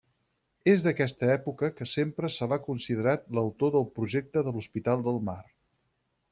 És d'aquesta època que sempre se l'ha considerat l'autor del projecte de l'Hospital del Mar.